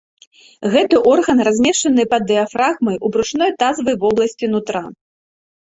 Гэты орган размешчаны пад дыяфрагмай у брушной тазавай вобласці нутра.